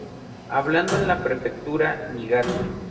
Hablado en la prefectura Niigata.